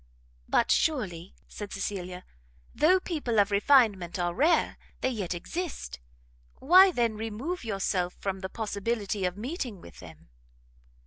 "But surely," said Cecilia, "though people of refinement are rare, they yet exist; why, then, remove yourself from the possibility of meeting with them?"